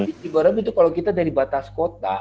di ciberem itu kalau kita dari batas kota